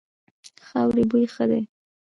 خاورې بوی ښه دی.